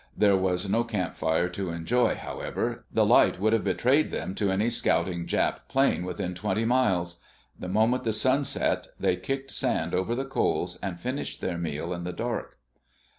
There was no campfire to enjoy, however: the light would have betrayed them to any scouting Jap plane within twenty miles. The moment the sun set, they kicked sand over the coals and finished their meal in the dark.